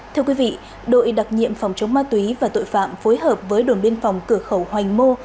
thưa quý vị đội đặc nhiệm phòng chống ma túy và tội phạm phối hợp với đồn biên phòng cửa khẩu hoành mô